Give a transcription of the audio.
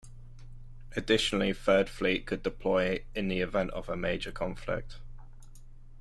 Additionally, Third Fleet could deploy in the event of a major conflict.